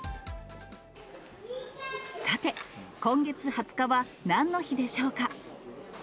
さて、今月２０日はなんの日でしょうか。